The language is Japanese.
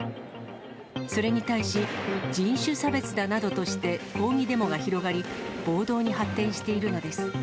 それに対し、人種差別だなどとして抗議デモが広がり、暴動に発展しているのです。